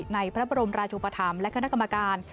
ในพระบรมราชุปธรรมและคณะกรรมการ